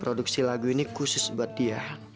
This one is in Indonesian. produksi lagu ini khusus buat dia